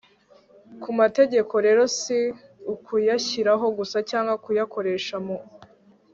ku mategeko rero si ukuyashyiraho gusa cyangwa kuyakoresha mu